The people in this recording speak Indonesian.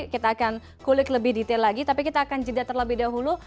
kita akan kulik lebih detail lagi tapi kita akan jeda terlebih dahulu